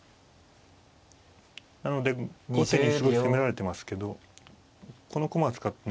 なので後手にすごく攻められてますけどこの駒を使ってね